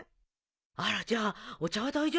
あらっじゃあお茶は大丈夫かしら？